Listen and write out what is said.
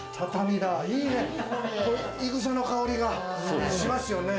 いいね、いぐさの香りがしますよね。